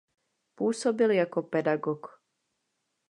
Působil jako pedagog.